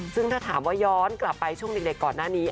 ซึ่งถ้าถามว่าย้อนกลับไปช่วงเด็กก่อนหน้านี้